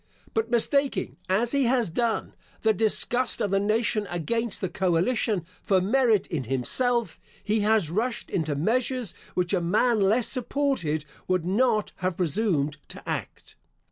But mistaking, as he has done, the disgust of the nation against the coalition, for merit in himself, he has rushed into measures which a man less supported would not have presumed to act.